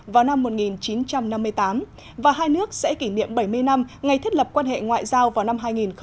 vào năm một nghìn chín trăm năm mươi tám và hai nước sẽ kỷ niệm bảy mươi năm ngày thiết lập quan hệ ngoại giao vào năm hai nghìn một mươi chín